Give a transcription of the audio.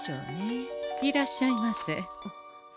いらっしゃいませ。